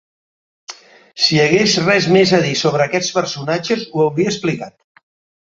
Si hagués res més a dir sobre aquests personatges ho hauria explicat.